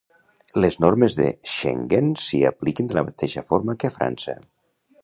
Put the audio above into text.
Les normes de Schengen s'hi apliquen de la mateixa forma que a França.